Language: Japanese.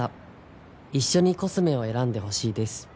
一緒にコスメを選んでほしいです。